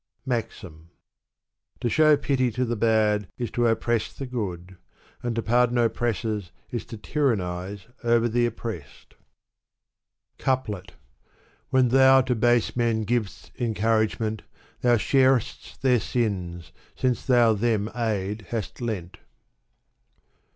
BfAXIM. To show pity to the bad is to oppress the good, and to pardon oppressors is to tyrannize over the oppressed. } Digitized by Google 506 Sa'dt CmtpkL When thoii to base men giv'st encouragement, Thou shar'at their sins, since thou them aid hast lent.